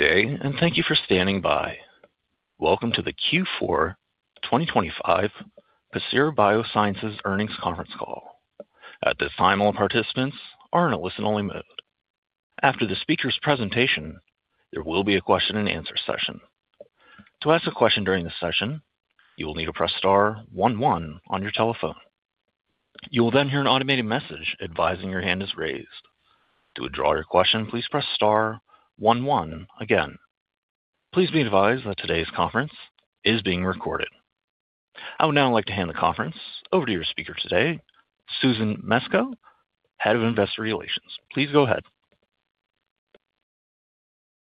Good day, and thank you for standing by. Welcome to the Q4 2025 Pacira BioSciences Earnings Conference Call. At this time, all participants are in a listen-only mode. After the speaker's presentation, there will be a question-and-answer session. To ask a question during this session, you will need to press star one one on your telephone. You will then hear an automated message advising your hand is raised. To withdraw your question, please press star one one again. Please be advised that today's conference is being recorded. I would now like to hand the conference over to your speaker today, Susan Mesco, Head of Investor Relations. Please go ahead.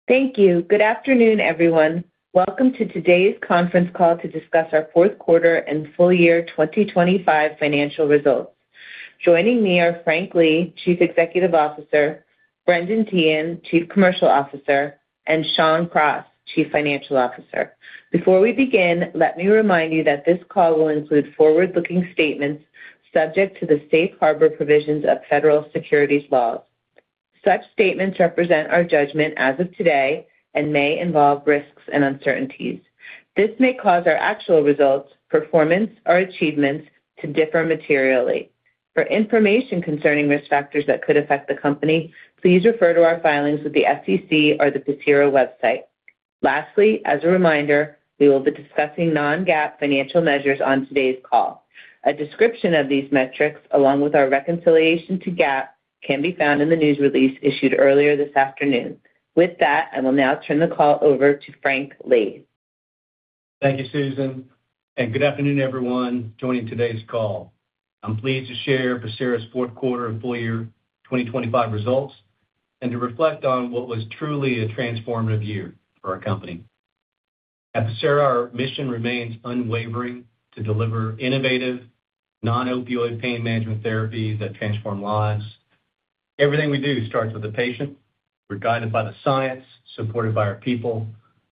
Thank you. Good afternoon, everyone. Welcome to today's conference call to discuss our fourth quarter and full year 2025 financial results. Joining me are Frank Lee, Chief Executive Officer, Brendan Teehan, Chief Commercial Officer, and Shawn Cross, Chief Financial Officer. Before we begin, let me remind you that this call will include forward-looking statements subject to the safe harbor provisions of federal securities laws. Such statements represent our judgment as of today and may involve risks and uncertainties. This may cause our actual results, performance, or achievements to differ materially. For information concerning risk factors that could affect the company, please refer to our filings with the SEC or the Pacira website. Lastly, as a reminder, we will be discussing non-GAAP financial measures on today's call. A description of these metrics, along with our reconciliation to GAAP, can be found in the news release issued earlier this afternoon. I will now turn the call over to Frank Lee. Thank you, Susan. Good afternoon, everyone joining today's call. I'm pleased to share Pacira's fourth quarter and full year 2025 results and to reflect on what was truly a transformative year for our company. At Pacira, our mission remains unwavering to deliver innovative, non-opioid pain management therapies that transform lives. Everything we do starts with the patient. We're guided by the science, supported by our people,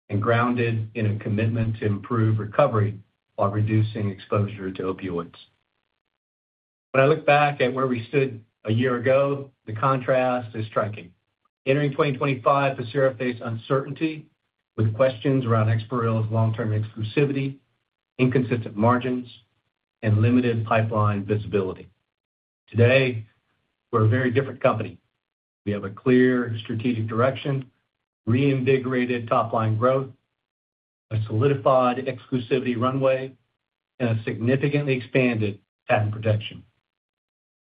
and grounded in a commitment to improve recovery while reducing exposure to opioids. When I look back at where we stood a year ago, the contrast is striking. Entering 2025, Pacira faced uncertainty with questions around EXPAREL's long-term exclusivity, inconsistent margins, and limited pipeline visibility. Today, we're a very different company. We have a clear strategic direction, reinvigorated top-line growth, a solidified exclusivity runway, and a significantly expanded patent protection.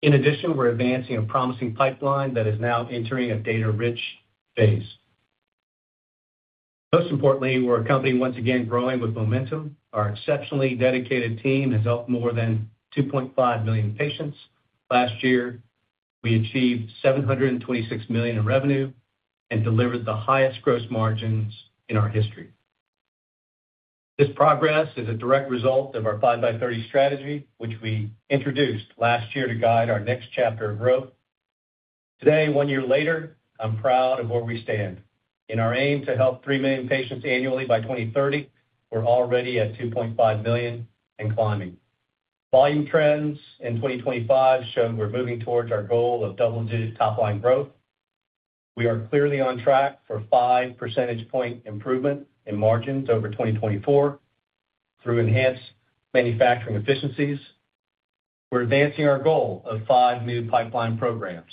In addition, we're advancing a promising pipeline that is now entering a data-rich phase. Most importantly, we're a company once again growing with momentum. Our exceptionally dedicated team has helped more than 2.5 million patients. Last year, we achieved $726 million in revenue and delivered the highest gross margins in our history. This progress is a direct result of our 5x30 strategy, which we introduced last year to guide our next chapter of growth. Today, one year later, I'm proud of where we stand. In our aim to help 3 million patients annually by 2030, we're already at 2.5 million and climbing. Volume trends in 2025 show we're moving towards our goal of double-digit top-line growth. We are clearly on track for 5 percentage point improvement in margins over 2024 through enhanced manufacturing efficiencies. We're advancing our goal of five new pipeline programs.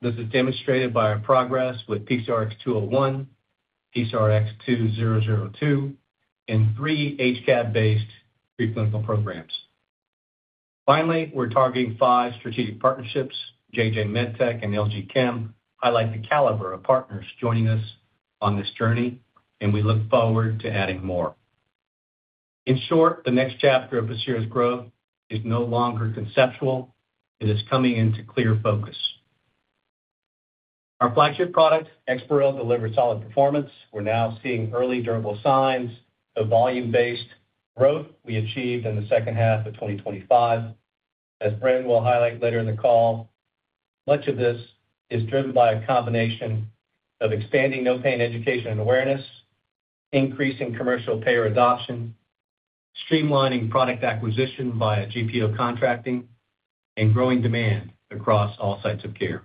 This is demonstrated by our progress with PCRX-201, PCRX-2002, and three HCAd-based preclinical programs. Finally, we're targeting five strategic partnerships. J&J MedTech and LG Chem highlight the caliber of partners joining us on this journey, and we look forward to adding more. In short, the next chapter of Pacira's growth is no longer conceptual. It is coming into clear focus. Our flagship product, EXPAREL, delivered solid performance. We're now seeing early durable signs of volume-based growth we achieved in the second half of 2025. As Brendan will highlight later in the call, much of this is driven by a combination of expanding NOPAIN education and awareness, increasing commercial payer adoption, streamlining product acquisition via GPO contracting, and growing demand across all sites of care.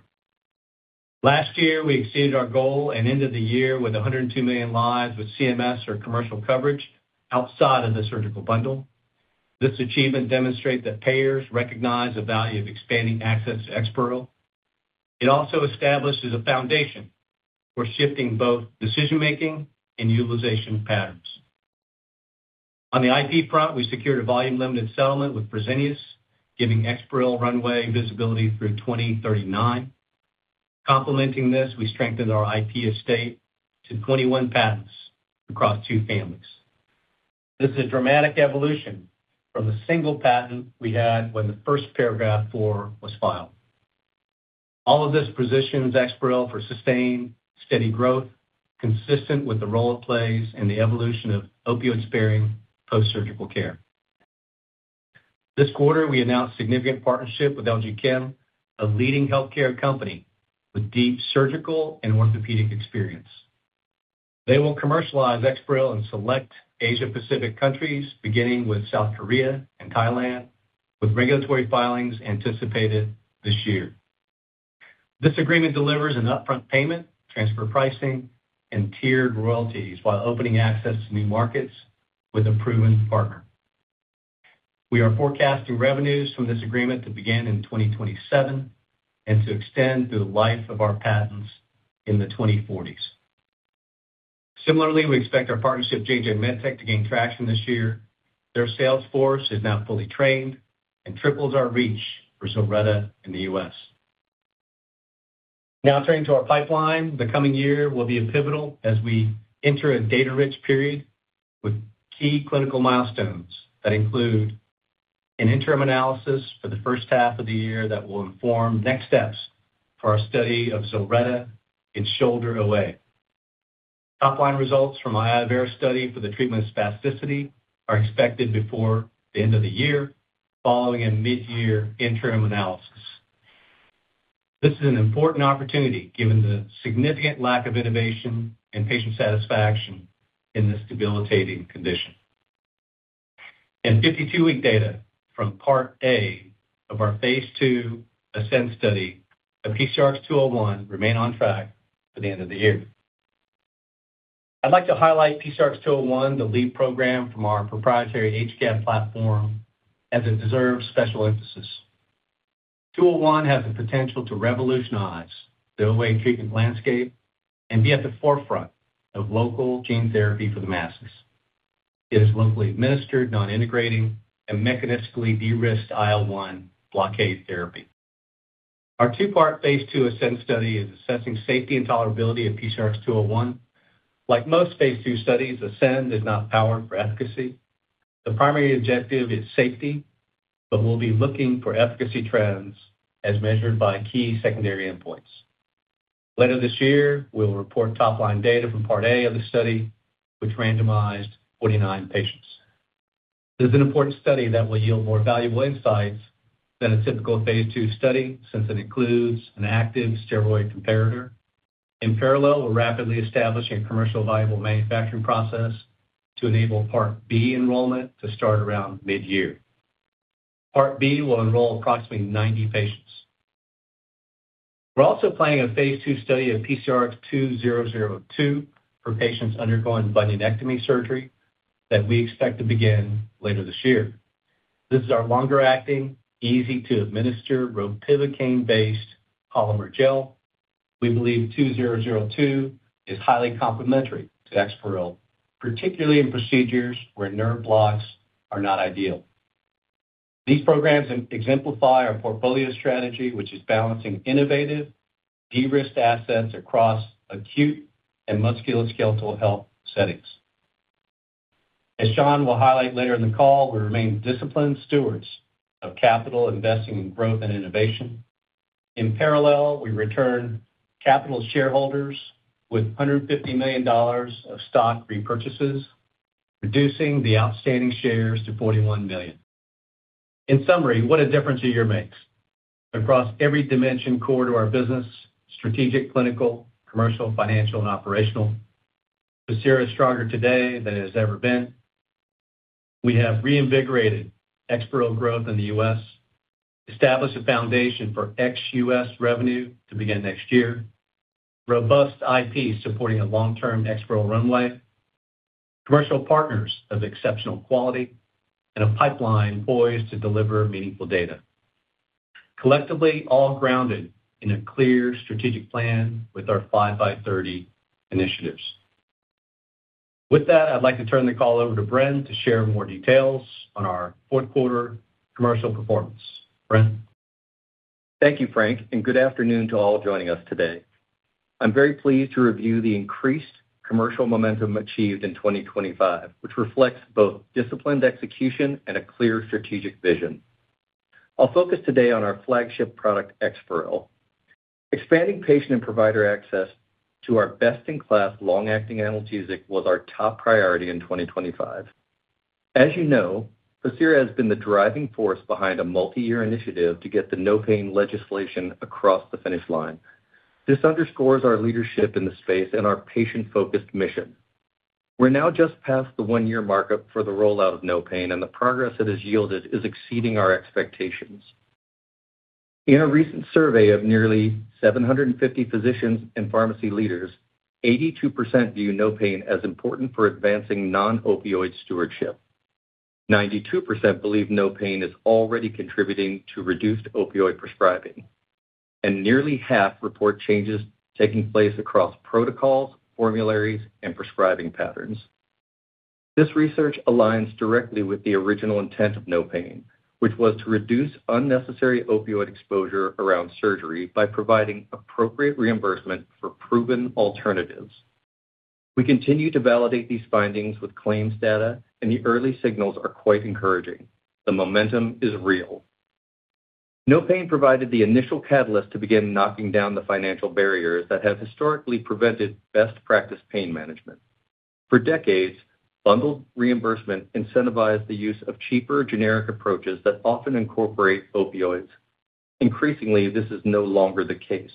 Last year, we exceeded our goal and ended the year with 102 million lives with CMS or commercial coverage outside of the surgical bundle. This achievement demonstrate that payers recognize the value of expanding access to EXPAREL. It also establishes a foundation for shifting both decision-making and utilization patterns. On the IP front, we secured a volume-limited settlement with Fresenius, giving EXPAREL runway visibility through 2039. Complementing this, we strengthened our IP estate to 21 patents across two families. This is a dramatic evolution from the single patent we had when the first Paragraph IV was filed. All of this positions EXPAREL for sustained, steady growth, consistent with the role it plays in the evolution of opioid-sparing postsurgical care. This quarter, we announced a significant partnership with LG Chem, a leading healthcare company with deep surgical and orthopedic experience. They will commercialize EXPAREL in select Asia Pacific countries, beginning with South Korea and Thailand, with regulatory filings anticipated this year. This agreement delivers an upfront payment, transfer pricing, and tiered royalties, while opening access to new markets with a proven partner. We are forecasting revenues from this agreement to begin in 2027 and to extend through the life of our patents in the 2040s. Similarly, we expect our partnership with J&J MedTech to gain traction this year. Their sales force is now fully trained and triples our reach for ZILRETTA in the U.S. Turning to our pipeline. The coming year will be pivotal as we enter a data-rich period with key clinical milestones that include an interim analysis for the first half of the year that will inform next steps for our study of ZILRETTA in shoulder OA. Top-line results from iovera°° study for the treatment of spasticity are expected before the end of the year, following a mid-year interim analysis. This is an important opportunity, given the significant lack of innovation and patient satisfaction in this debilitating condition. 52-week data from Part A of our Phase 2 ASCEND study of PCRX-201 remain on track for the end of the year. I'd like to highlight PCRX-201, the lead program from our proprietary HCAd platform, as it deserves special emphasis. 201 has the potential to revolutionize the OA treatment landscape and be at the forefront of local gene therapy for the masses. It is locally administered, non-integrating, and mechanistically de-risked IL-1 blockade therapy. Our 2-part Phase 2 ASCEND study is assessing safety and tolerability of PCRX-201. Like most Phase 2 studies, ASCEND is not powered for efficacy. The primary objective is safety. We'll be looking for efficacy trends as measured by key secondary endpoints. Later this year, we'll report top-line data from Part A of the study, which randomized 49 patients. This is an important study that will yield more valuable insights than a typical phase 2 study, since it includes an active steroid comparator. In parallel, we're rapidly establishing a commercial viable manufacturing process to enable Part B enrollment to start around mid-year. Part B will enroll approximately 90 patients. We're also planning a phase 2 study of PCRX-2002 for patients undergoing bunionectomy surgery that we expect to begin later this year. This is our longer-acting, easy-to-administer ropivacaine-based polymer gel. We believe 2002 is highly complementary to EXPAREL, particularly in procedures where nerve blocks are not ideal. These programs exemplify our portfolio strategy, which is balancing innovative, de-risked assets across acute and musculoskeletal health settings. As Shawn will highlight later in the call, we remain disciplined stewards of capital, investing in growth and innovation. In parallel, we return capital shareholders with $150 million of stock repurchases, reducing the outstanding shares to $41 million. In summary, what a difference a year makes! Across every dimension core to our business, strategic, clinical, commercial, financial, and operational. Pacira is stronger today than it has ever been. We have reinvigorated EXPAREL growth in the U.S., established a foundation for ex-U.S. revenue to begin next year, robust IP supporting a long-term EXPAREL runway, commercial partners of exceptional quality, and a pipeline poised to deliver meaningful data. Collectively, all grounded in a clear strategic plan with our 5x30 initiatives. With that, I'd like to turn the call over to Brendan to share more details on our fourth quarter commercial performance. Brendan? Thank you, Frank, and good afternoon to all joining us today. I'm very pleased to review the increased commercial momentum achieved in 2025, which reflects both disciplined execution and a clear strategic vision. I'll focus today on our flagship product, EXPAREL. Expanding patient and provider access to our best-in-class, long-acting analgesic was our top priority in 2025. As you know, Pacira has been the driving force behind a multiyear initiative to get the NOPAIN Act legislation across the finish line. This underscores our leadership in the space and our patient-focused mission. We're now just past the one-year markup for the rollout of NOPAIN Act, and the progress it has yielded is exceeding our expectations. In a recent survey of nearly 750 physicians and pharmacy leaders, 82% view NOPAIN Act as important for advancing non-opioid stewardship. 92% believe NOPAIN Act is already contributing to reduced opioid prescribing, and nearly half report changes taking place across protocols, formularies, and prescribing patterns. This research aligns directly with the original intent of NOPAIN Act, which was to reduce unnecessary opioid exposure around surgery by providing appropriate reimbursement for proven alternatives. We continue to validate these findings with claims data, and the early signals are quite encouraging. The momentum is real. NOPAIN Act provided the initial catalyst to begin knocking down the financial barriers that have historically prevented best practice pain management. For decades, bundled reimbursement incentivized the use of cheaper generic approaches that often incorporate opioids. Increasingly, this is no longer the case.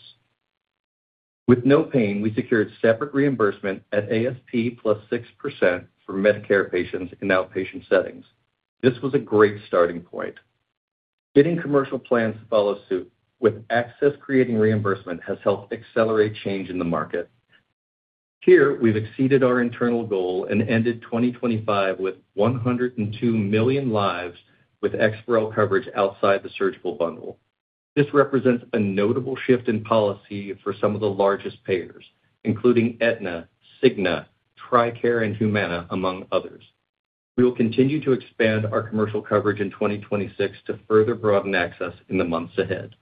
With NOPAIN, we secured separate reimbursement at ASP plus 6% for Medicare patients in outpatient settings. This was a great starting point. Getting commercial plans to follow suit with access creating reimbursement has helped accelerate change in the market. Here, we've exceeded our internal goal and ended 2025 with 102 million lives with EXPAREL coverage outside the surgical bundle. This represents a notable shift in policy for some of the largest payers, including Aetna, Cigna, TRICARE, and Humana, among others. We will continue to expand our commercial coverage in 2026 to further broaden access in the months ahead.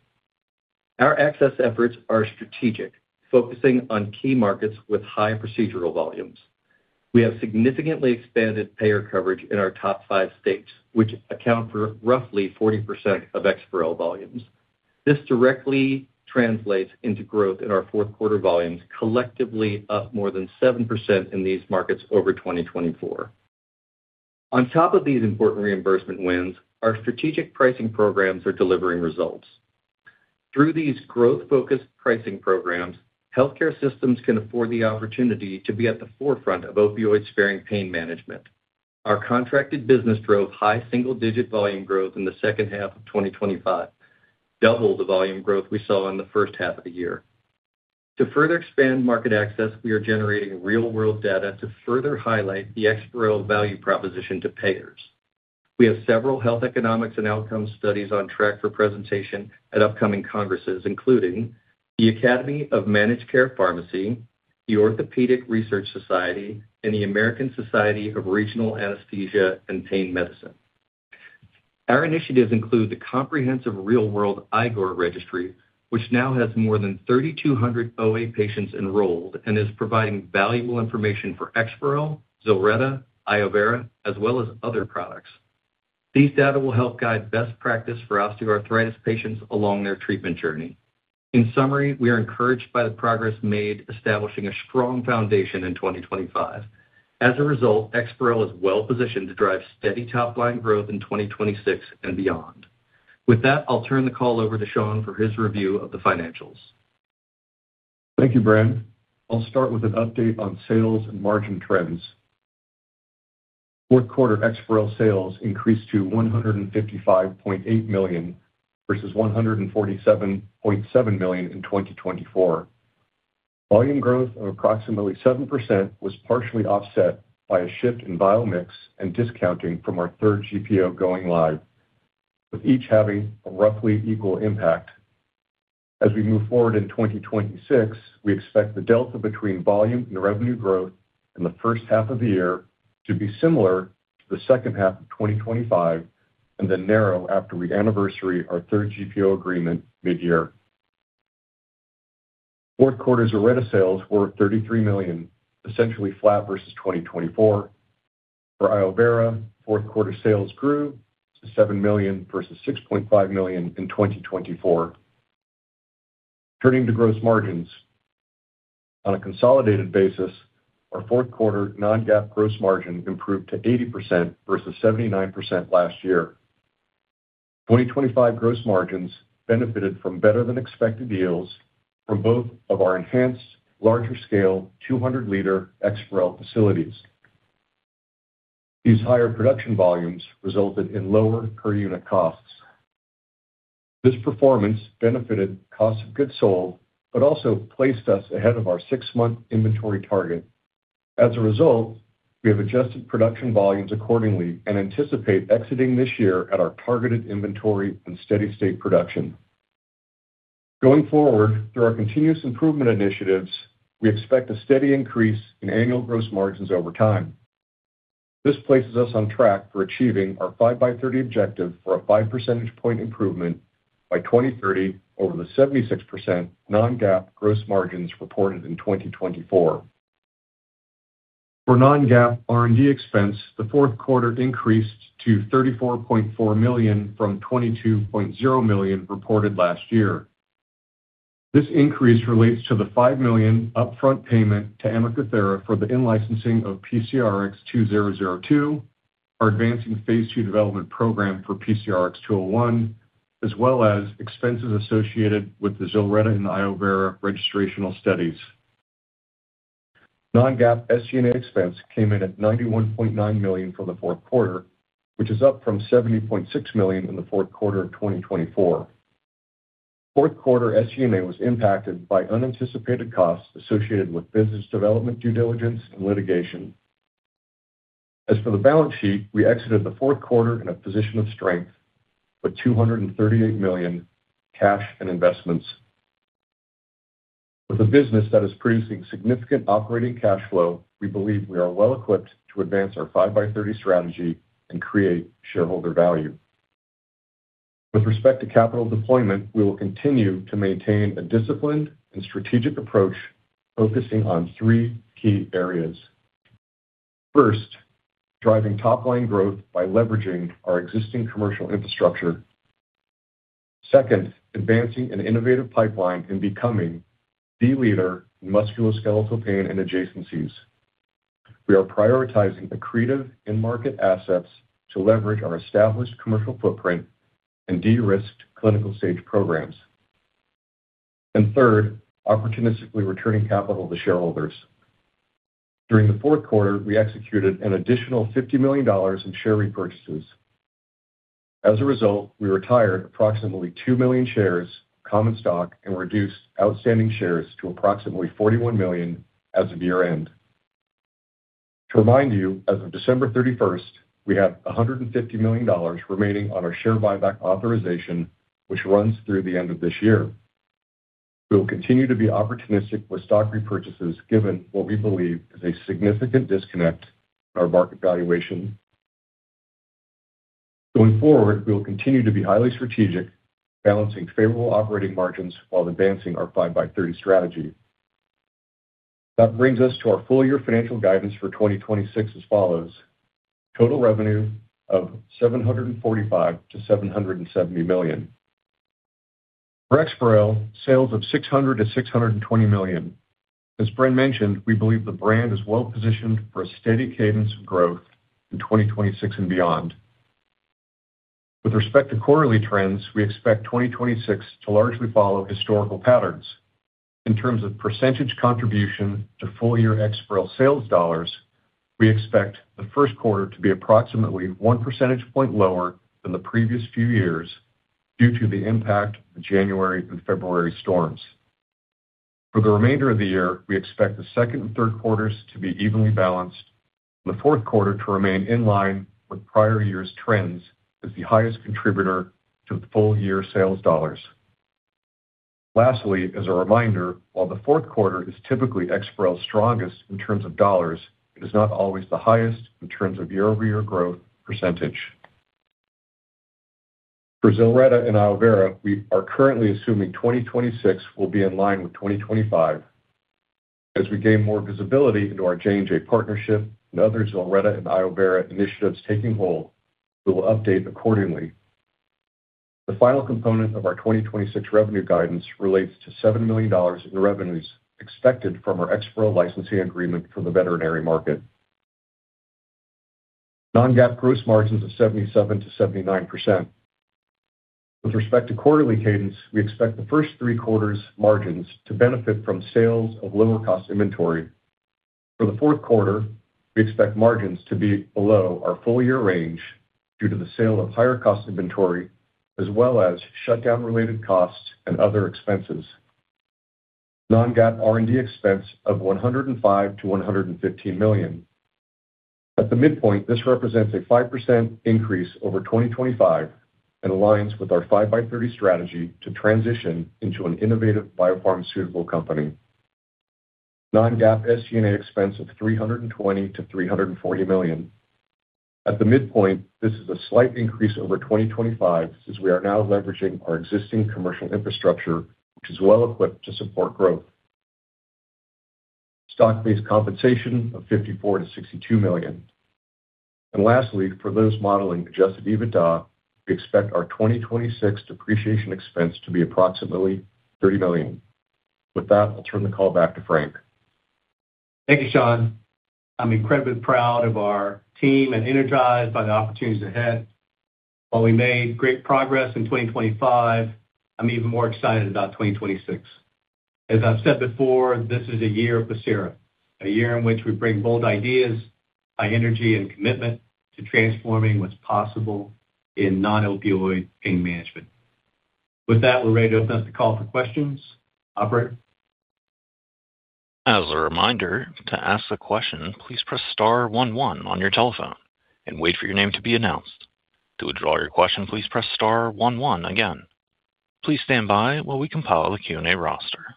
Our access efforts are strategic, focusing on key markets with high procedural volumes. We have significantly expanded payer coverage in our top 5 states, which account for roughly 40% of EXPAREL volumes. This directly translates into growth in our fourth quarter volumes, collectively up more than 7% in these markets over 2024. On top of these important reimbursement wins, our strategic pricing programs are delivering results. Through these growth-focused pricing programs, healthcare systems can afford the opportunity to be at the forefront of opioid-sparing pain management. Our contracted business drove high single-digit volume growth in the second half of 2025, double the volume growth we saw in the first half of the year. To further expand market access, we are generating real-world data to further highlight the EXPAREL value proposition to payers. We have several health economics and outcome studies on track for presentation at upcoming congresses, including the Academy of Managed Care Pharmacy, the Orthopaedic Research Society, and the American Society of Regional Anesthesia and Pain Medicine. Our initiatives include the comprehensive real-world IGOR registry, which now has more than 3,200 OA patients enrolled and is providing valuable information for EXPAREL, ZILRETTA, iovera°, as well as other products. These data will help guide best practice for osteoarthritis patients along their treatment journey. In summary, we are encouraged by the progress made establishing a strong foundation in 2025. As a result, EXPAREL is well-positioned to drive steady top-line growth in 2026 and beyond. With that, I'll turn the call over to Shawn for his review of the financials. Thank you, Brend. I'll start with an update on sales and margin trends. Fourth quarter EXPAREL sales increased to $155.8 million versus $147.7 million in 2024. Volume growth of approximately 7% was partially offset by a shift in bio mix and discounting from our third GPO going live, with each having a roughly equal impact. As we move forward in 2026, we expect the delta between volume and revenue growth in the first half of the year to be similar to the second half of 2025, and then narrow after we anniversary our third GPO agreement mid-year. Fourth quarter ZILRETTA sales were $33 million, essentially flat versus 2024. For iovera°, fourth quarter sales grew to $7 million versus $6.5 million in 2024. Turning to gross margins. On a consolidated basis, our fourth quarter non-GAAP gross margin improved to 80% versus 79% last year. 2025 gross margins benefited from better than expected yields from both of our enhanced larger scale 200 liter EXPAREL facilities. These higher production volumes resulted in lower per unit costs. This performance benefited cost of goods sold, but also placed us ahead of our six-month inventory target. As a result, we have adjusted production volumes accordingly and anticipate exiting this year at our targeted inventory and steady state production. Going forward, through our continuous improvement initiatives, we expect a steady increase in annual gross margins over time. This places us on track for achieving our 5x30 objective for a five percentage point improvement by 2030 over the 76% non-GAAP gross margins reported in 2024. For non-GAAP R&D expense, the fourth quarter increased to $34.4 million from $22.0 million reported last year. This increase relates to the $5 million upfront payment to AmacaThera for the in-licensing of PCRX-2002, our advancing phase 2 development program for PCRX-201, as well as expenses associated with the ZILRETTA and iovera°° registrational studies. Non-GAAP SG&A expense came in at $91.9 million for the fourth quarter, which is up from $70.6 million in the fourth quarter of 2024. Fourth quarter SG&A was impacted by unanticipated costs associated with business development due diligence and litigation. As for the balance sheet, we exited the fourth quarter in a position of strength, with $238 million cash and investments. With a business that is producing significant operating cash flow, we believe we are well equipped to advance our 5x30 strategy and create shareholder value. With respect to capital deployment, we will continue to maintain a disciplined and strategic approach focusing on three key areas. First, driving top line growth by leveraging our existing commercial infrastructure. Second, advancing an innovative pipeline and becoming the leader in musculoskeletal pain and adjacencies. We are prioritizing accretive end market assets to leverage our established commercial footprint and de-risked clinical stage programs. Third, opportunistically returning capital to shareholders. During the fourth quarter, we executed an additional $50 million in share repurchases. As a result, we retired approximately $2 million shares common stock and reduced outstanding shares to approximately $41 million as of year-end. To remind you, as of December 31st, we have $150 million remaining on our share buyback authorization, which runs through the end of this year. We will continue to be opportunistic with stock repurchases, given what we believe is a significant disconnect in our market valuation. Going forward, we will continue to be highly strategic, balancing favorable operating margins while advancing our 5x30 strategy. That brings us to our full year financial guidance for 2026 as follows: total revenue of $745 million-$770 million. For EXPAREL, sales of $600 million-$620 million. As Brend mentioned, we believe the brand is well positioned for a steady cadence of growth in 2026 and beyond. With respect to quarterly trends, we expect 2026 to largely follow historical patterns. In terms of percentage contribution to full year EXPAREL sales dollars, we expect the first quarter to be approximately 1 percentage point lower than the previous few years due to the impact of the January and February storms. For the remainder of the year, we expect the second and third quarters to be evenly balanced, and the fourth quarter to remain in line with prior years' trends as the highest contributor to the full year sales dollars. Lastly, as a reminder, while the fourth quarter is typically EXPAREL's strongest in terms of dollars, it is not always the highest in terms of year-over-year growth percentage. For ZILRETTA and iovera°°, we are currently assuming 2026 will be in line with 2025. As we gain more visibility into our J&J partnership and other ZILRETTA and iovera°° initiatives taking hold, we will update accordingly. The final component of our 2026 revenue guidance relates to $7 million in revenues expected from our EXPAREL licensing agreement for the veterinary market. Non-GAAP gross margins of 77%-79%. With respect to quarterly cadence, we expect the first three quarters margins to benefit from sales of lower cost inventory. For the fourth quarter, we expect margins to be below our full year range due to the sale of higher cost inventory, as well as shutdown-related costs and other expenses. Non-GAAP R&D expense of $105 million-$115 million. At the midpoint, this represents a 5% increase over 2025 and aligns with our 5x30 strategy to transition into an innovative biopharmaceutical company. Non-GAAP SC&A expense of $320 million-$340 million. At the midpoint, this is a slight increase over 2025, since we are now leveraging our existing commercial infrastructure, which is well-equipped to support growth. Stock-based compensation of $54 million-$62 million. Lastly, for those modeling adjusted EBITDA, we expect our 2026 depreciation expense to be approximately $30 million. With that, I'll turn the call back to Frank. Thank you, Shawn. I'm incredibly proud of our team and energized by the opportunities ahead. While we made great progress in 2025, I'm even more excited about 2026. As I've said before, this is a year of Pacira, a year in which we bring bold ideas, high energy, and commitment to transforming what's possible in non-opioid pain management. With that, we're ready to open up the call for questions. Operator? As a reminder, to ask a question, please press star one one on your telephone and wait for your name to be announced. To withdraw your question, please press star one one again. Please stand by while we compile the Q&A roster.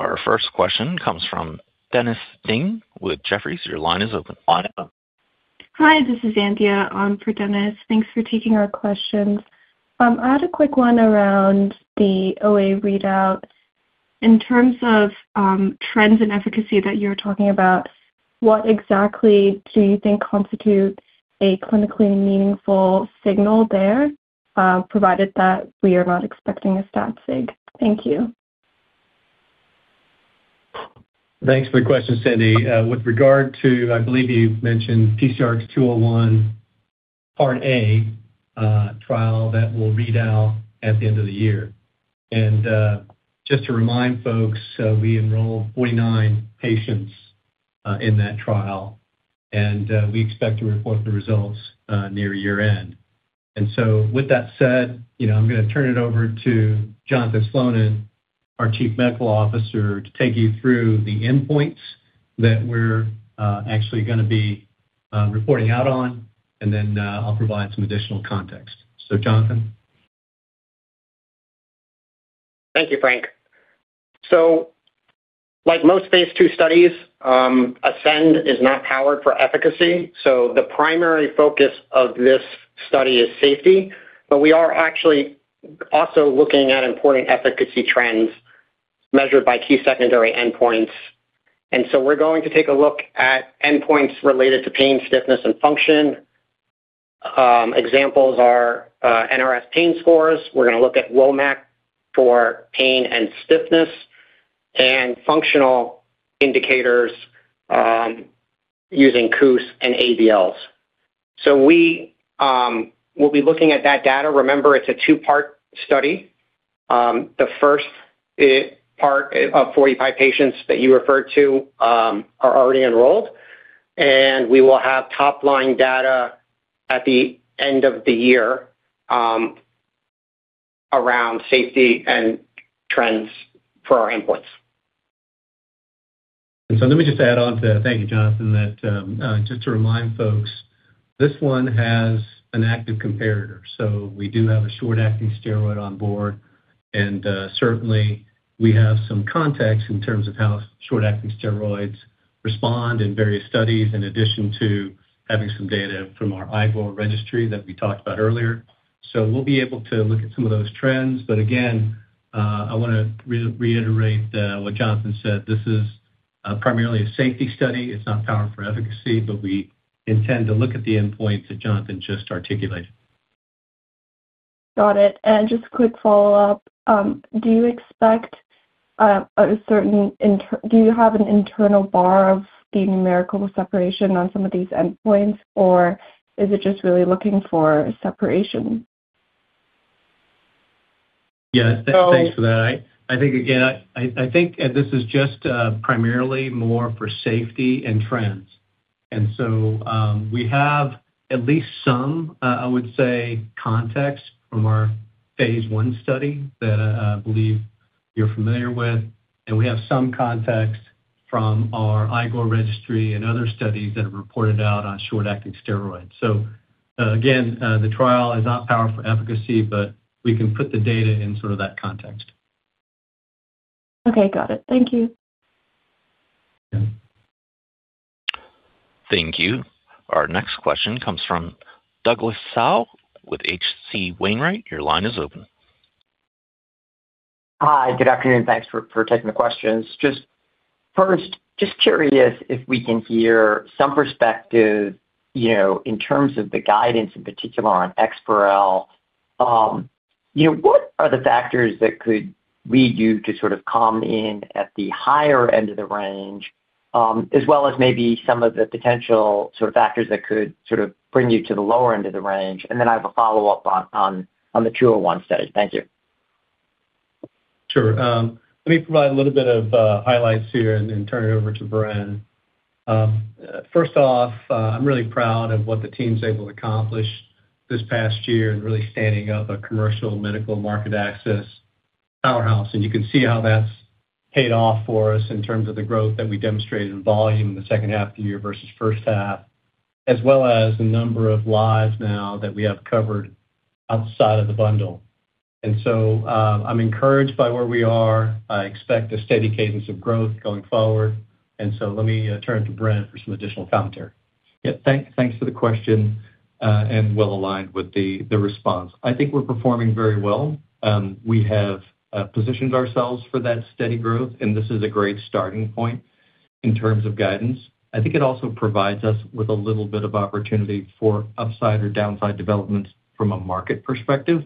Our first question comes from Dennis Ding with Jefferies. Your line is open. Hi, this is Cynthia on for Dennis. Thanks for taking our questions. I had a quick one around the OA readout. In terms of, trends and efficacy that you're talking about, what exactly do you think constitutes a clinically meaningful signal there, provided that we are not expecting a stat sig? Thank you. Thanks for the question, Cynthia. With regard to, I believe you mentioned PCRX-201, Part A, trial, that will read out at the end of the year. Just to remind folks, we enrolled 49 patients, in that trial, and, we expect to report the results, near year-end. With that said, you know, I'm gonna turn it over to Jonathan Slonin, our Chief Medical Officer, to take you through the endpoints that we're, actually gonna be, reporting out on, and then, I'll provide some additional context. Jonathan? Thank you, Frank. Like most phase II studies, ASCEND is not powered for efficacy, so the primary focus of this study is safety, but we are actually also looking at important efficacy trends measured by key secondary endpoints. We're going to take a look at endpoints related to pain, stiffness, and function. examples are NRS pain scores. We're gonna look at WOMAC for pain and stiffness and functional indicators, using KOOS and ADLs. We will be looking at that data. Remember, it's a two-part study. The first part of 45 patients that you referred to, are already enrolled, and we will have top-line data at the end of the year, around safety and trends for our endpoints. Let me just add on to... Thank you, Jonathan. That just to remind folks, this one has an active comparator, so we do have a short-acting steroid on board, and certainly, we have some context in terms of how short-acting steroids respond in various studies, in addition to having some data from our IGOR registry that we talked about earlier. We'll be able to look at some of those trends, but again, I wanna re-reiterate what Jonathan said. This is primarily a safety study. It's not powered for efficacy, but we intend to look at the endpoints that Jonathan just articulated. Got it. Just a quick follow-up. Do you have an internal bar of the numerical separation on some of these endpoints, or is it just really looking for separation? Thanks for that. I think, again, I think this is just primarily more for safety and trends. We have at least some, I would say, context from our Phase 1 study that I believe you're familiar with, and we have some context from our IGOR registry and other studies that have reported out on short-acting steroids. Again, the trial is not powered for efficacy, but we can put the data in sort of that context. Okay. Got it. Thank you. Yeah. Thank you. Our next question comes from Douglas Tsao with H.C. Wainwright. Your line is open. Hi, good afternoon. Thanks for taking the questions. Just first, just curious if we can hear some perspective, you know, in terms of the guidance, in particular on EXPAREL. You know, what are the factors that could lead you to sort of come in at the higher end of the range, as well as maybe some of the potential sort of factors that could sort of bring you to the lower end of the range? I have a follow-up on the 201 study. Thank you. Sure. Let me provide a little bit of highlights here and then turn it over to Brend. First off, I'm really proud of what the team's able to accomplish this past year in really standing up a commercial medical market access powerhouse. You can see how that's paid off for us in terms of the growth that we demonstrated in volume in the second half of the year versus first half, as well as the number of lives now that we have covered outside of the bundle. I'm encouraged by where we are. I expect a steady cadence of growth going forward, and so let me turn it to Brend for some additional commentary. Thanks for the question and well aligned with the response. I think we're performing very well. We have positioned ourselves for that steady growth, and this is a great starting point in terms of guidance. I think it also provides us with a little bit of opportunity for upside or downside developments from a market perspective.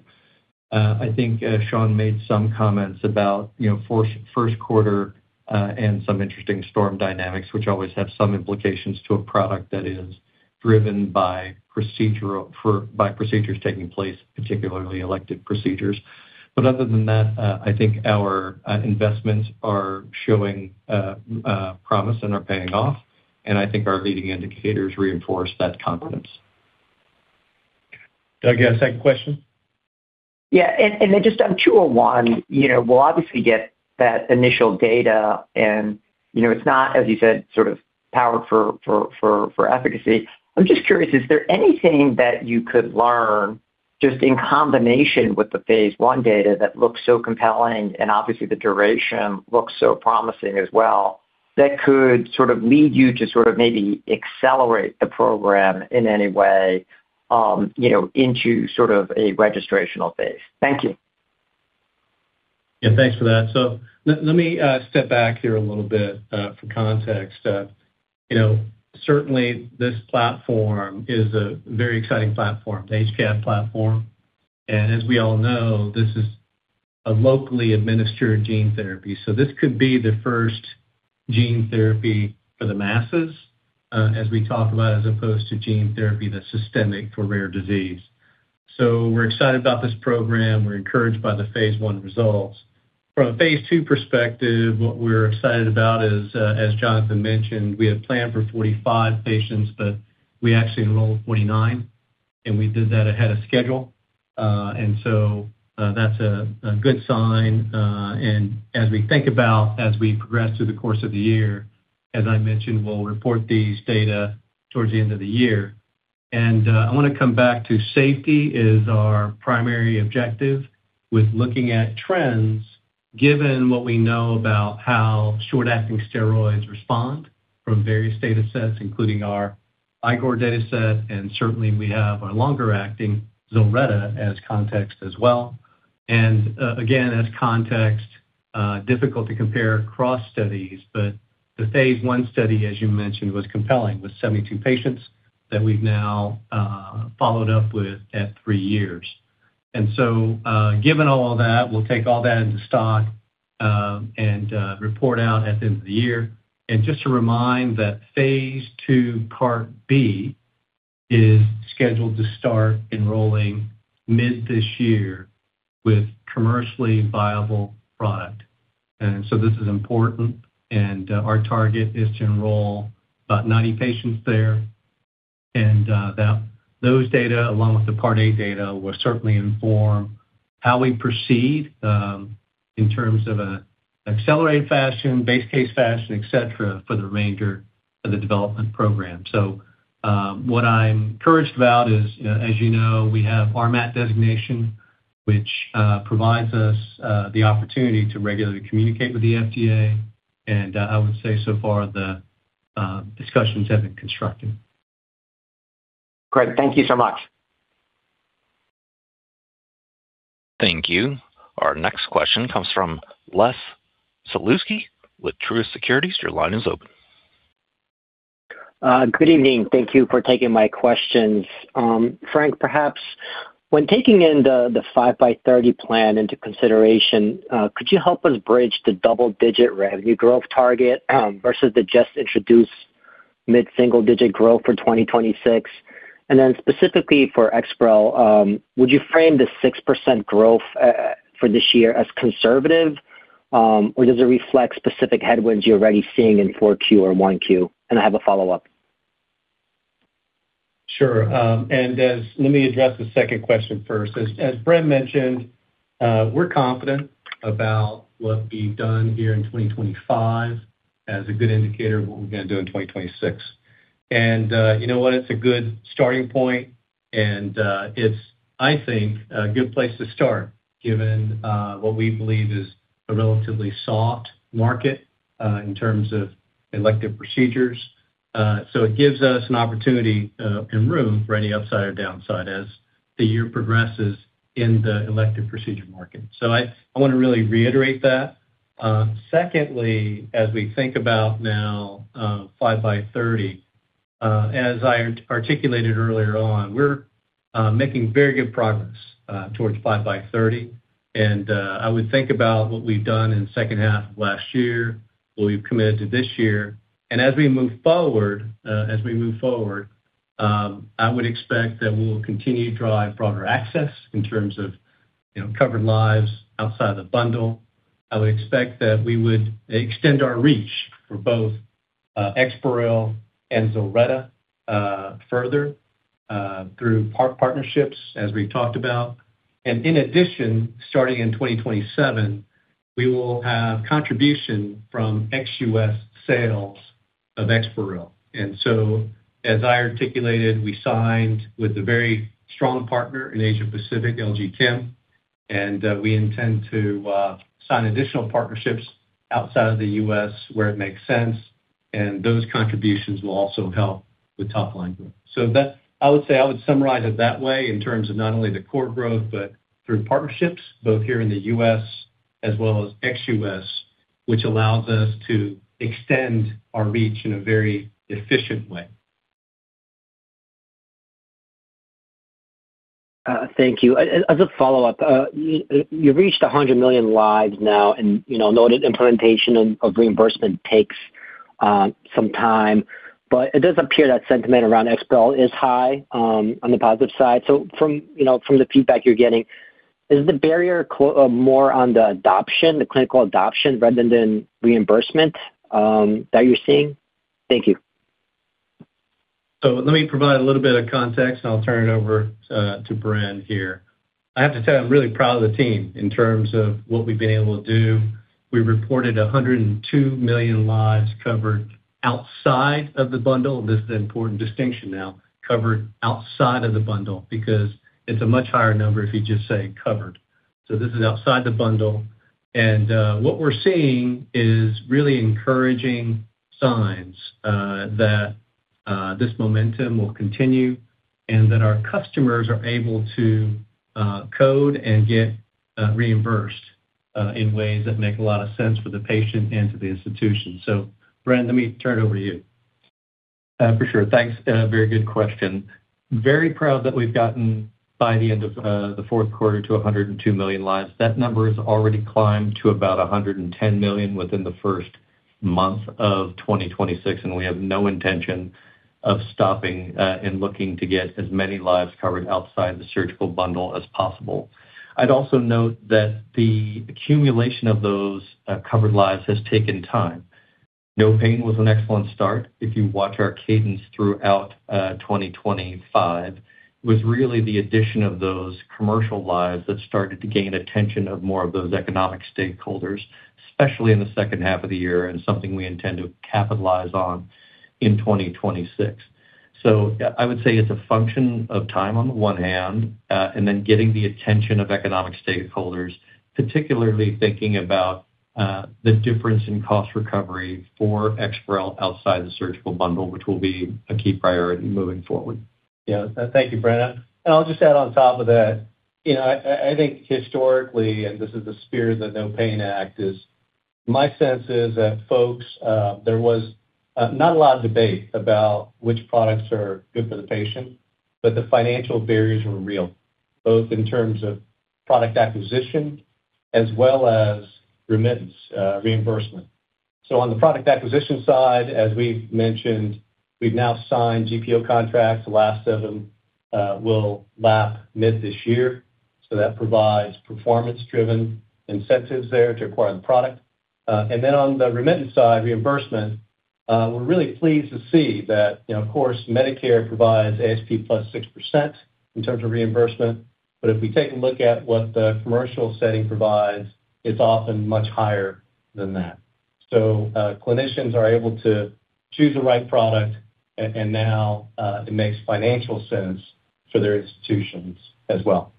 I think Shawn made some comments about, you know, first quarter, and some interesting storm dynamics, which always have some implications to a product that is driven by procedures taking place, particularly elected procedures. Other than that, I think our investments are showing promise and are paying off, and I think our leading indicators reinforce that confidence. Doug, you have a second question? Yeah, and then just on 201, you know, we'll obviously get that initial data, and, you know, it's not, as you said, sort of powered for efficacy. I'm just curious, is there anything that you could learn just in combination with the phase 1 data that looks so compelling, and obviously, the duration looks so promising as well, that could sort of lead you to sort of maybe accelerate the program in any way, you know, into sort of a registrational phase? Thank you. Yeah, thanks for that. Let me step back here a little bit for context. You know, certainly, this platform is a very exciting platform, the HCAd platform, and as we all know, this is a locally administered gene therapy. This could be the first gene therapy for the masses, as we talk about, as opposed to gene therapy that's systemic for rare disease. We're excited about this program. We're encouraged by the phase I results. From a phase II perspective, what we're excited about is, as Jonathan mentioned, we had planned for 45 patients, but we actually enrolled 49, and we did that ahead of schedule. That's a good sign. As we think about as we progress through the course of the year, as I mentioned, we'll report these data towards the end of the year. I wanna come back to safety is our primary objective with looking at trends, given what we know about how short-acting steroids respond from various data sets, including our IGOR data set, and certainly we have our longer-acting ZILRETTA as context as well. Again, as context, difficult to compare cross studies, but the phase one study, as you mentioned, was compelling, with 72 patients that we've now followed up with at three years. Given all that, we'll take all that into stock, and report out at the end of the year. Just to remind that phase 2, part B, is scheduled to start enrolling mid this year with commercially viable product. This is important, and our target is to enroll about 90 patients there. Those data, along with the part A data, will certainly inform how we proceed in terms of a accelerated fashion, base case fashion, et cetera, for the remainder of the development program. What I'm encouraged about is, as you know, we have RMAT designation, which provides us the opportunity to regularly communicate with the FDA, and I would say so far, the discussions have been constructive. Great. Thank you so much. Thank you. Our next question comes from Les Sulewski with Truist Securities. Your line is open. Good evening. Thank you for taking my questions. Frank, perhaps when taking in the 5x30 plan into consideration, could you help us bridge the double-digit revenue growth target versus the just introduced mid-single-digit growth for 2026? Specifically for EXPAREL, would you frame the 6% growth for this year as conservative, or does it reflect specific headwinds you're already seeing in 4Q or 1Q? I have a follow-up. Sure. Let me address the second question first. As Brend mentioned, we're confident about what we've done here in 2025 as a good indicator of what we're gonna do in 2026. You know what? It's a good starting point, it's, I think, a good place to start, given what we believe is a relatively soft market in terms of elective procedures. It gives us an opportunity and room for any upside or downside as the year progresses in the elective procedure market. I wanna really reiterate that. Secondly, as we think about now, 5x30, as I articulated earlier on, we're making very good progress towards 5x30. I would think about what we've done in the second half of last year, what we've committed to this year. As we move forward, I would expect that we'll continue to drive broader access in terms of, you know, covered lives outside the bundle. I would expect that we would extend our reach for both EXPAREL and ZILRETTA further through partnerships, as we talked about. In addition, starting in 2027, we will have contribution from ex-US sales of EXPAREL. As I articulated, we signed with a very strong partner in Asia Pacific, LG Chem, and we intend to sign additional partnerships outside of the US where it makes sense, and those contributions will also help with top line growth. I would say, I would summarize it that way in terms of not only the core growth, but through partnerships both here in the U.S. as well as ex-U.S., which allows us to extend our reach in a very efficient way. Thank you. As a follow-up, you've reached 100 million lives now, and, you know, noted implementation of reimbursement takes some time, but it does appear that sentiment around EXPAREL is high on the positive side. From, you know, from the feedback you're getting, is the barrier more on the adoption, the clinical adoption, rather than reimbursement that you're seeing? Thank you. Let me provide a little bit of context, and I'll turn it over to Bren here. I have to say, I'm really proud of the team in terms of what we've been able to do. We reported 102 million lives covered outside of the bundle. This is an important distinction now, covered outside of the bundle, because it's a much higher number if you just say, covered. This is outside the bundle, and what we're seeing is really encouraging signs that this momentum will continue, and that our customers are able to code and get reimbursed in ways that make a lot of sense for the patient and to the institution. Bren, let me turn it over to you. For sure. Thanks. Very good question. Very proud that we've gotten, by the end of the fourth quarter, to 102 million lives. That number has already climbed to about 110 million within the first month of 2026. We have no intention of stopping, in looking to get as many lives covered outside the surgical bundle as possible. I'd also note that the accumulation of those covered lives has taken time. NOPAIN was an excellent start. If you watch our cadence throughout 2025, was really the addition of those commercial lives that started to gain attention of more of those economic stakeholders, especially in the second half of the year. Something we intend to capitalize on in 2026. I would say it's a function of time on the one hand, and then getting the attention of economic stakeholders, particularly thinking about the difference in cost recovery for EXPAREL outside the surgical bundle, which will be a key priority moving forward. Yeah. Thank you, Brend. I'll just add on top of that. You know, I think historically, this is the spirit of the NOPAIN Act, is my sense is that folks, there was not a lot of debate about which products are good for the patient, the financial barriers were real, both in terms of product acquisition as well as remittance, reimbursement. On the product acquisition side, as we've mentioned, we've now signed GPO contracts. The last of them will lap mid-this year, that provides performance-driven incentives there to acquire the product. On the remittance side, reimbursement, we're really pleased to see that, you know, of course, Medicare provides ASP plus 6% in terms of reimbursement, if we take a look at what the commercial setting provides, it's often much higher than that. Clinicians are able to choose the right product and now, it makes financial sense for their institutions as well.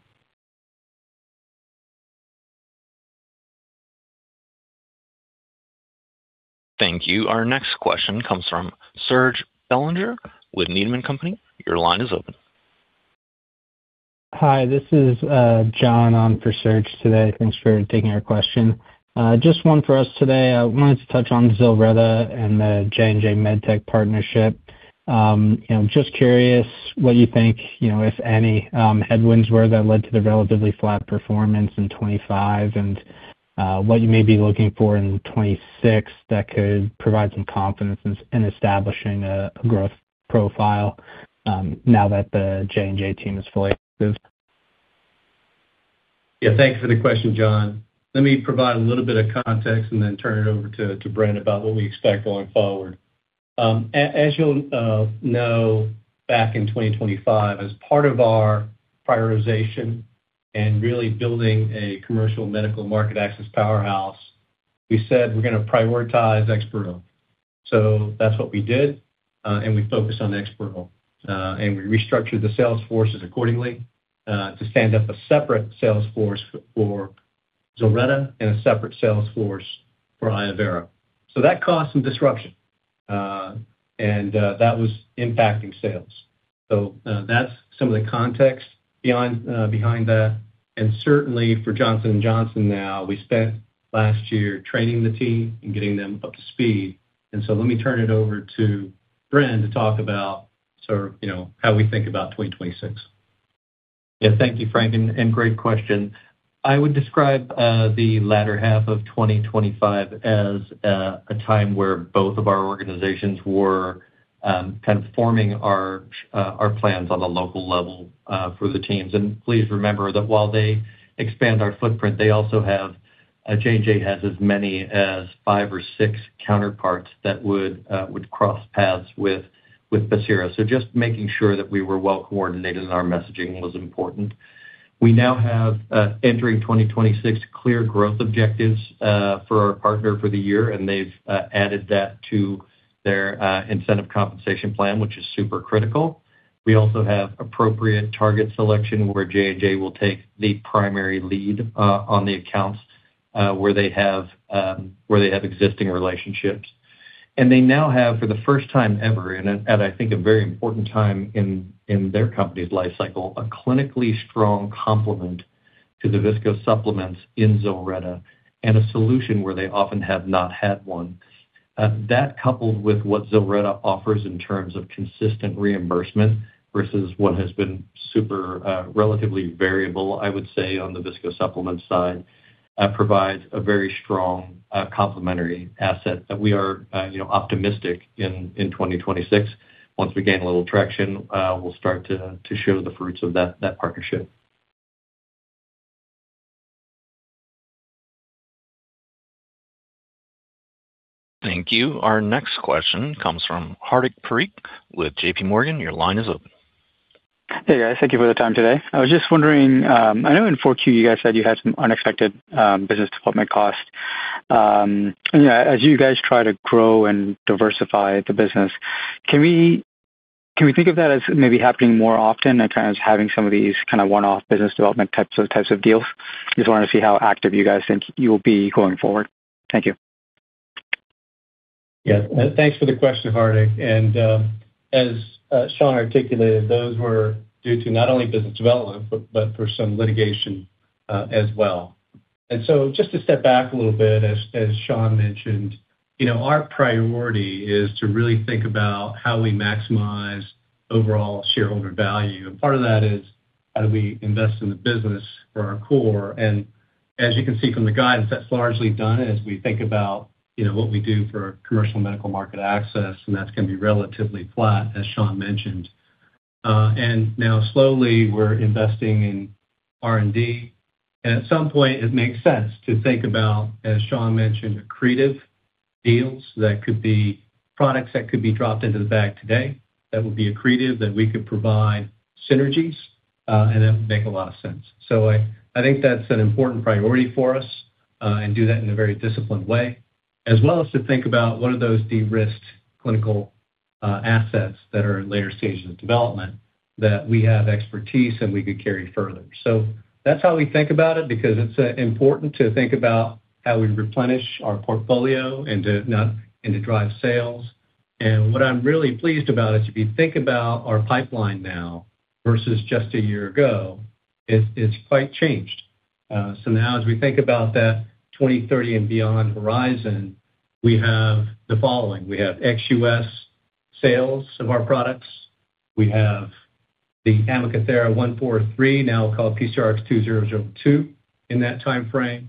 Thank you. Our next question comes from Serge Belanger with Needham & Company. Your line is open. Hi, this is John on for Serge today. Thanks for taking our question. Just one for us today. I wanted to touch on ZILRETTA and the J&J MedTech partnership. You know, just curious what you think, you know, if any, headwinds were that led to the relatively flat performance in 2025 and what you may be looking for in 2026 that could provide some confidence in establishing a growth profile, now that the J&J team is fully active. Yeah, thanks for the question, John. Let me provide a little bit of context and then turn it over to Brend about what we expect going forward. As you'll know, back in 2025, as part of our prioritization and really building a commercial medical market access powerhouse, we said we're gonna prioritize EXPAREL. That's what we did, and we focused on EXPAREL. We restructured the sales forces accordingly, to stand up a separate sales force for ZILRETTA and a separate sales force for iovera°°. That caused some disruption. That was impacting sales. That's some of the context beyond behind that. Certainly for Johnson & Johnson now, we spent last year training the team and getting them up to speed. Let me turn it over to Brend to talk about sort of, you know, how we think about 2026. Thank you, Frank, and great question. I would describe the latter half of 2025 as a time where both of our organizations were kind of forming our plans on the local level for the teams. Please remember that while they expand our footprint, J&J has as many as five or six counterparts that would cross paths with Pacira. Just making sure that we were well coordinated in our messaging was important. We now have, entering 2026, clear growth objectives for our partner for the year, and they've added that to their incentive compensation plan, which is super critical. We also have appropriate target selection where J&J will take the primary lead on the accounts where they have existing relationships. They now have, for the first time ever, and at, I think, a very important time in their company's life cycle, a clinically strong complement to the viscosupplements in ZILRETTA and a solution where they often have not had one. That coupled with what ZILRETTA offers in terms of consistent reimbursement versus what has been super, relatively variable, I would say, on the viscosupplement side, provides a very strong, complementary asset that we are, you know, optimistic in 2026. Once we gain a little traction, we'll start to show the fruits of that partnership. Thank you. Our next question comes from Hardik Parikh with J.P. Morgan. Your line is open. Hey, guys. Thank you for the time today. I was just wondering, I know in 4Q, you guys said you had some unexpected business development costs. You know, as you guys try to grow and diversify the business, can we think of that as maybe happening more often in terms of having some of these kinda one-off business development types of deals? Just wanna see how active you guys think you will be going forward. Thank you. Yeah. Thanks for the question, Hardik. As Shawn articulated, those were due to not only business development, but for some litigation as well. Just to step back a little bit, as Shawn mentioned, you know, our priority is to really think about how we maximize overall shareholder value. Part of that is how do we invest in the business for our core. As you can see from the guidance, that's largely done as we think about, you know, what we do for commercial medical market access, and that's gonna be relatively flat, as Shawn mentioned. Now slowly we're investing in R&D. At some point it makes sense to think about, as Shawn mentioned, accretive deals that could be products that could be dropped into the bag today that would be accretive, that we could provide synergies, and that would make a lot of sense. I think that's an important priority for us, and do that in a very disciplined way. As well as to think about what are those de-risked clinical assets that are in later stages of development that we have expertise and we could carry further. That's how we think about it because it's important to think about how we replenish our portfolio and to drive sales. What I'm really pleased about is if you think about our pipeline now versus just a year ago, it's quite changed. Now as we think about that 2030 and beyond horizon, we have the following. We have ex-U.S. sales of our products. We have the AmacaThera 143, now called PCRX-2002 in that timeframe.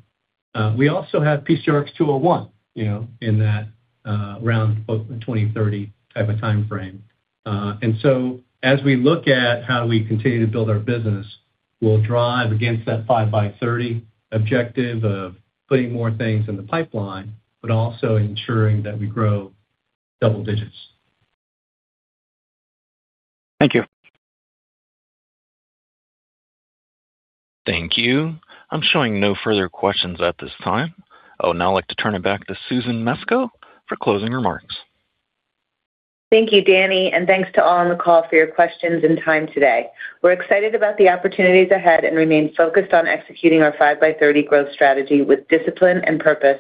We also have PCRX-201, you know, in that around both the 2030 type of timeframe. As we look at how do we continue to build our business, we'll drive against that 5x30 objective of putting more things in the pipeline, but also ensuring that we grow double digits. Thank you. Thank you. I'm showing no further questions at this time. I would now like to turn it back to Susan Mesco for closing remarks. Thank you, Danny, thanks to all on the call for your questions and time today. We're excited about the opportunities ahead and remain focused on executing our 5x30 growth strategy with discipline and purpose.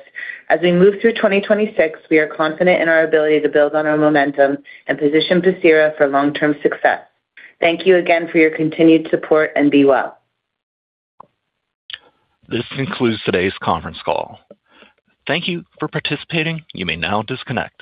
As we move through 2026, we are confident in our ability to build on our momentum and position Pacira for long-term success. Thank you again for your continued support and be well. This concludes today's conference call. Thank you for participating. You may now disconnect.